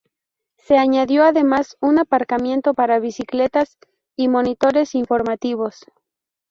Se añadió además un aparcamiento para bicicletas y monitores informativos.